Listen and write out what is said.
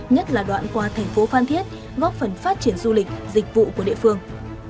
nhất là đoạn qua thành phố phan thiết góp phần phát triển du lịch dịch vụ của địa phương